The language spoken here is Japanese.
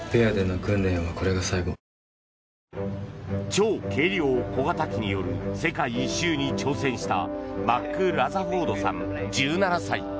超軽量飛行機による世界一周に挑戦したマック・ラザフォードさん１７歳。